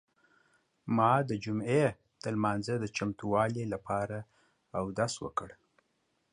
ما د جمعې د لمانځه د چمتووالي لپاره اودس وکړ.